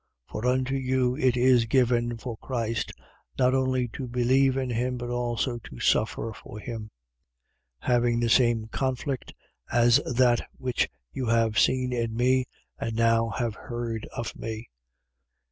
1:29. For unto you it is given for Christ, not only to believe in him, but also to suffer for him: 1:30. Having the same conflict as that which you have seen in me and now have heard of me.